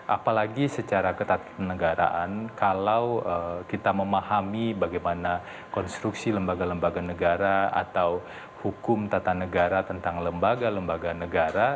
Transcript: apalagi secara ketatanegaraan kalau kita memahami bagaimana konstruksi lembaga lembaga negara atau hukum tata negara tentang lembaga lembaga negara